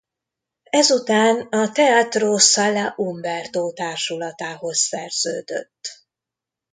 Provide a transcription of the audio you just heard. Ezután a Teatro Sala Umberto társulatához szerződött.